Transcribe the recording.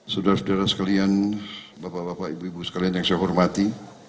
saudara saudara sekalian bapak bapak ibu ibu sekalian yang saya hormati